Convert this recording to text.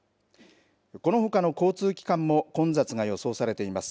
このほかの交通機関も混雑が予想されています。